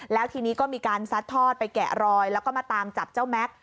แล้วทีนี้ก็มีการซัดทอดไปแกะรอยแล้วก็มาตามจับเจ้าแม็กซ์